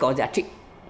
có giá trị